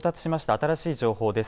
新しい情報です。